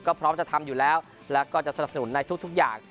ก็พร้อมจะทำอยู่แล้วแล้วก็จะสนับสนุนในทุกอย่าง